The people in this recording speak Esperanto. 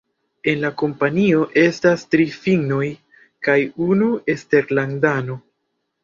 En la kompanio estas tri finnoj kaj unu eksterlandano.